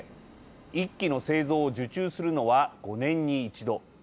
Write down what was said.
１機の製造を受注するのは５年に一度。